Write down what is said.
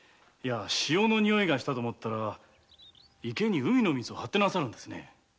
潮の匂いがしたと思ったら海の水を張ってなさるんですね？